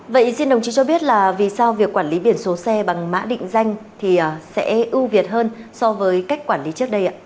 vậy xin đồng chí cho biết là vì sao việc quản lý biển số xe bằng mã định danh thì sẽ ưu việt hơn so với cách quản lý trước đây ạ